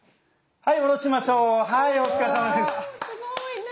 はい。